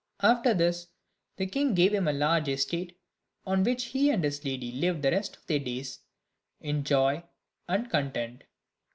After this, the king gave him a large estate, on which he and his lady lived the rest of their days in joy and content.